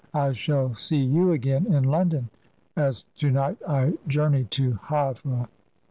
"I shall see you again in London, as to night I journey to Havre."